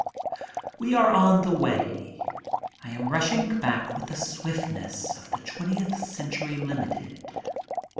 We are on the way. I am rushing back with the swiftness of the Twentieth Century Limited.